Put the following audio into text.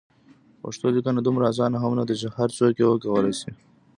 پښتو لیکنه دومره اسانه هم نده چې هر څوک یې وکولای شي.